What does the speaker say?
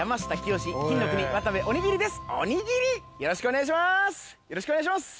よろしくお願いします。